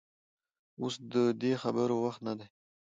اوس د دې خبرو وخت نه دى.